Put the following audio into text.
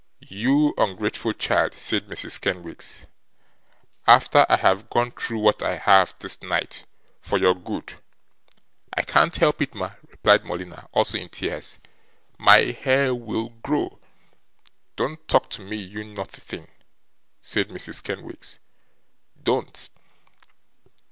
'You ungrateful child!' said Mrs. Kenwigs, 'after I have gone through what I have, this night, for your good.' 'I can't help it, ma,' replied Morleena, also in tears; 'my hair WILL grow.' 'Don't talk to me, you naughty thing!' said Mrs. Kenwigs, 'don't!